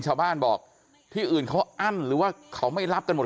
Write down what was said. ชาวบ้านบอกที่อื่นเขาอั้นหรือว่าเขาไม่รับกันหมด